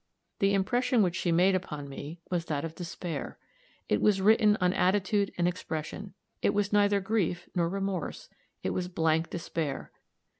The impression which she made upon me was that of despair. It was written on attitude and expression. It was neither grief nor remorse it was blank despair.